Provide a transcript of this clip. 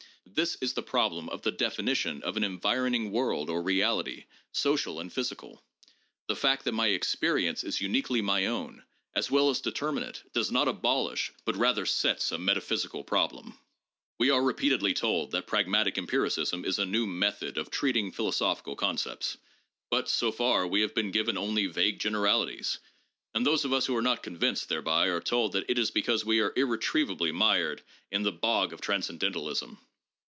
This is the problem of the definition of an environing world or reality, social and physical. The fact that my experience is uniquely my own, as well as determinate, does not abolish but rather sets a metaphysical problem. We are repeatedly told that pragmatic empiricism is a new 'method' of treating philosophical concepts. But, so far, we have been given only vague generalities, and those of us who are not con vinced thereby are told that it is because we are irretrievably mired in the bog of transcendentalism.